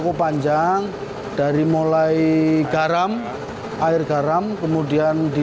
dan bumbu rempah rempah seperti ini